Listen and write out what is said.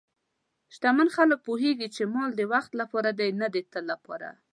شتمن خلک پوهېږي چې مال د وخت لپاره دی، نه د تل لپاره.